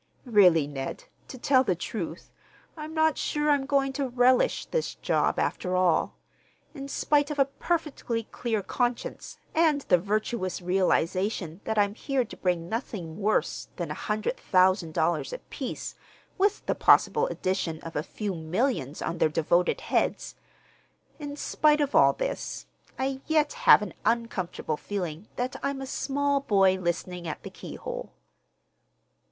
Really, Ned, to tell the truth, I'm not sure I'm going to relish this job, after all. In spite of a perfectly clear conscience, and the virtuous realization that I'm here to bring nothing worse than a hundred thousand dollars apiece with the possible addition of a few millions on their devoted heads—in spite of all this, I yet have an uncomfortable feeling that I'm a small boy listening at the keyhole.